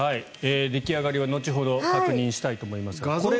出来上がりは後ほど確認したいと思います。